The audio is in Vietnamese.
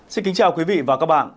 xin kính chào quý vị và các bạn